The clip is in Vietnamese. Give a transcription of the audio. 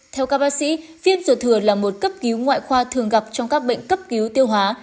theo các bác sĩ viêm ruột thừa là một cấp cứu ngoại khoa thường gặp trong các bệnh cấp cứu tiêu hóa